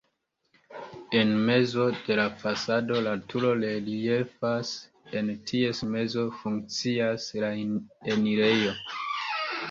En mezo de la fasado la turo reliefas, en ties mezo funkcias la enirejo.